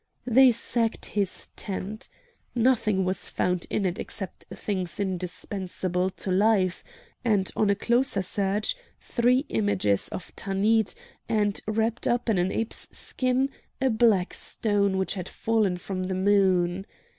They sacked his tent. Nothing was found in it except things indispensable to life; and, on a closer search, three images of Tanith, and, wrapped up in an ape's skin, a black stone which had fallen from the moon.